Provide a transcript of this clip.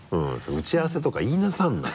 打ち合わせとか言いなさんな。